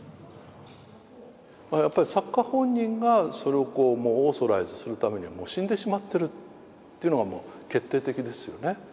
やっぱり作家本人がそれをオーソライズするためにはもう死んでしまってるっていうのが決定的ですよね。